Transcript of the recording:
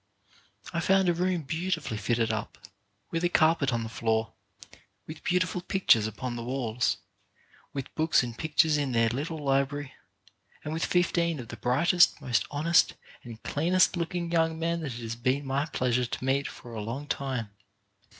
I found a room beautifully fitted up, with a carpet on the floor, with beautiful pictures upon the walls, with books and pictures in their little library, and with fifteen of the brightest, most honest, and 27 28 CHARACTER BUILDING cleanest looking young men that it has been my pleasure to meet for a long time.